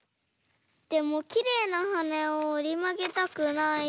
でもきれいなはねをおりまげたくないし。